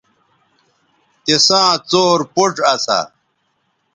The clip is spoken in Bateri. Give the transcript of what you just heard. تِساں څور پوڇ اسا